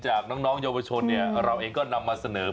จากน้องเยาวชนเราเองก็นำมาเสนอ